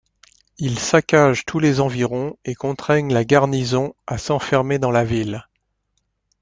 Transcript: Ils saccagent tous les environs et contraignent la garnison à s'enfermer dans la ville.